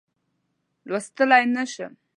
لوستلای نه شم.